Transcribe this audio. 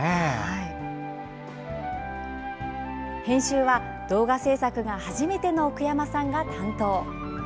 編集は、動画制作が初めての奥山さんが担当。